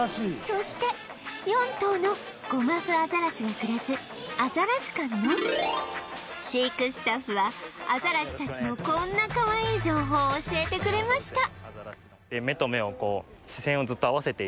そして４頭のゴマフアザラシが暮らすあざらし館の飼育スタッフはアザラシたちのこんなかわいい情報を教えてくれました